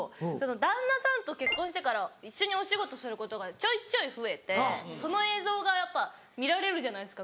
旦那さんと結婚してから一緒にお仕事することがちょいちょい増えてその映像がやっぱ見られるじゃないですか